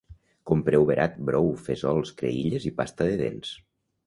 Compreu verat, brou, fesols, creïlles i pasta de dents